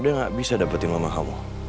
dia gak bisa dapetin mama kamu